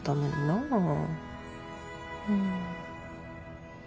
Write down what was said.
うん。